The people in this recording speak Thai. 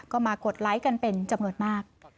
ก็มากดไลค์กันเป็นจำนวนมาก